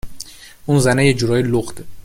اون زنه یه جورایی لخته